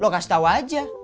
lo kasih tau aja